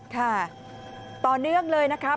ค่ะต่อเนื่องเลยนะครับ